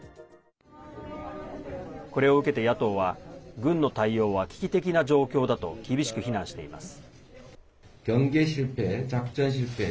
これを受けて野党は軍の対応は危機的な状況だと厳しく非難しています。